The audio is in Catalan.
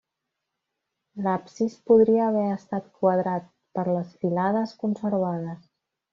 L'absis podria haver estat quadrat, per les filades conservades.